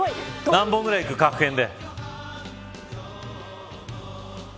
何本ぐらい行く、確変で。